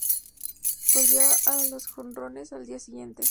Volvió a jonrones al día siguiente.